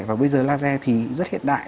và bây giờ laser thì rất hiện đại